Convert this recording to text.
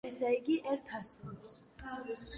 ვაკლებთ, ესე იგი, ერთ ასეულს.